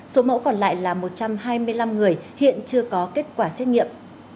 số mẫu còn lại là một trăm hai mươi năm người hiện chưa có kết quả xét nghiệm